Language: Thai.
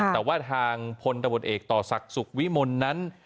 แต่ว่าทางพลตบทเอกต่อศักดิ์สุขวิมลนั้น